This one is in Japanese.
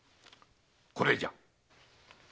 これじゃ。